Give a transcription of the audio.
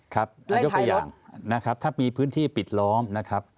ครับยกตัวอย่างนะครับถ้ามีพื้นที่ปิดล้อมนะครับ